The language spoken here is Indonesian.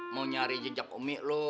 mau nyari jejak umik lo